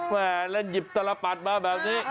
แม่แล้วหยิบตลปัดมาแบบนี้